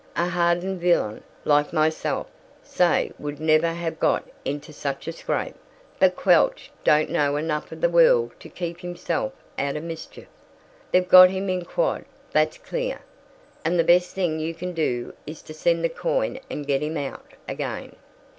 A hardened villain, like myself, say, would never have got into such a scrape, but Quelch don't know enough of the world to keep himself out of mischief. They've got him in quod, that's clear, and the best thing you can do is to send the coin and get him out again."